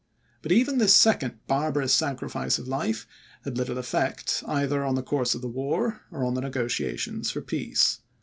But even this second barbarous sacrifice of life had little effect either on the course of the war, or on the negociations for peace.